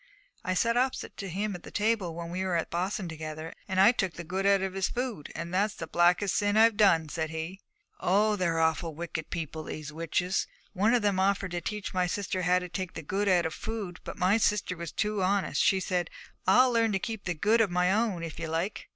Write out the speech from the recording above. I sat opposite to him at the table when we were at Boston together, and I took the good out of his food, and it's the blackest sin I done," said he. 'Oh, they're awful wicked people, these witches! One of them offered to teach my sister how to take the good out of food, but my sister was too honest; she said, "I'll learn to keep the good of my own, if ye like."